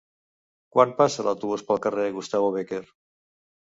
Quan passa l'autobús pel carrer Gustavo Bécquer?